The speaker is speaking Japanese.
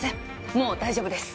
もう大丈夫です。